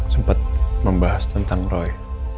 sempat membahas tentang roy